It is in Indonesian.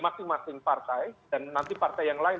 masing masing partai dan nanti partai yang lain